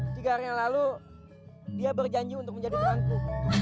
tiga hari yang lalu dia berjanji untuk menjadi perangku